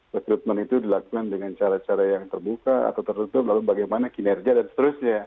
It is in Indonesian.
rekrutmen itu dilakukan dengan cara cara yang terbuka atau tertutup lalu bagaimana kinerja dan seterusnya